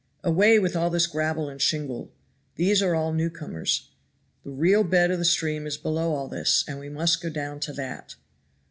"Away with all this gravel and shingle these are all newcomers the real bed of the stream is below all this, and we must go down to that."